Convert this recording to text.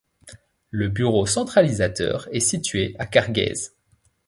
Le bureau centralisateur est situé à Cargèse.